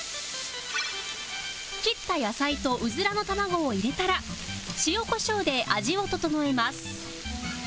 切った野菜とうずらの卵を入れたら塩コショウで味を調えます